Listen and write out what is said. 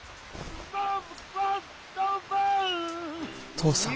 父さん。